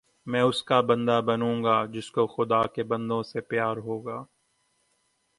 میں اس کا بندہ بنوں گا جس کو خدا کے بندوں سے پیار ہوگا